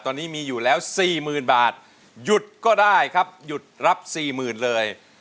ตอนนี้มีอยู่แล้ว๔๐๐๐บาทหยุดก็ได้ครับหยุดรับ๔๐๐๐เลย